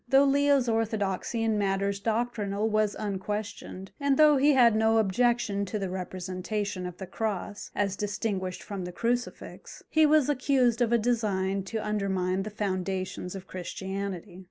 Though Leo's orthodoxy in matters doctrinal was unquestioned, and though he had no objection to the representation of the cross, as distinguished from the crucifix, he was accused of a design to undermine the foundations of Christianity.